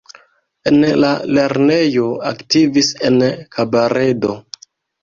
En la lernejo aktivis en kabaredo.